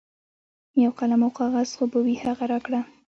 یو قلم او کاغذ خو به وي هغه راکړه.